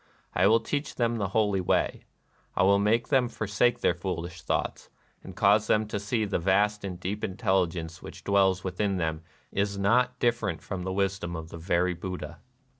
... I will teach them the holy Way ;— I will make them for sake their foolish thoughts, and cause them to see that the vast and deep intelligence which dwells within them is not different from the wisdom of the very Buddha."